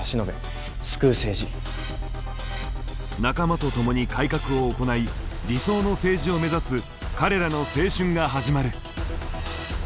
仲間と共に改革を行い理想の政治を目指す彼らの青春が始まる。